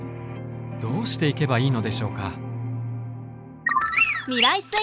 どうしていけばいいのでしょうか？